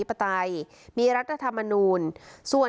แปลให้ด้วย